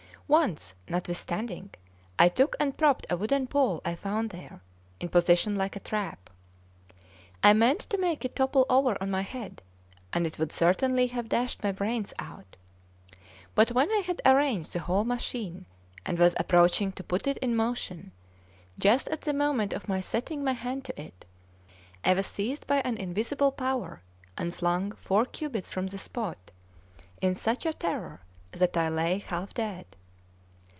Once, notwithstanding, I took and propped a wooden pole I found there, in position like a trap. I meant to make it topple over on my head, and it would certainly have dashed my brains out; but when I had arranged the whole machine, and was approaching to put it in motion, just at the moment of my setting my hand to it, I was seized by an invisible power and flung four cubits from the spot, in such a terror that I lay half dead.